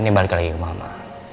ini balik lagi ke mama